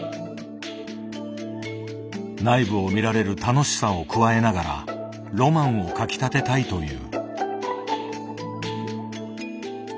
内部を見られる楽しさを加えながらロマンをかきたてたいという。